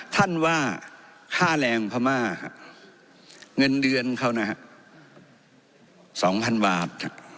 ท่านว่าค่าแรงพม่าเงินเดือนเขานะฮะ๒๐๐๐บาท